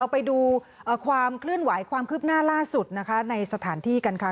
ไปดูความเคลื่อนไหวความคืบหน้าล่าสุดนะคะในสถานที่กันค่ะ